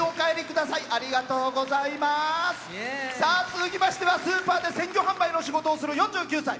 続きましては、スーパーで鮮魚販売の仕事をする４９歳。